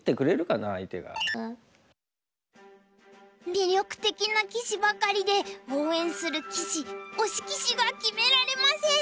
魅力的な棋士ばかりで応援する棋士推し棋士が決められません！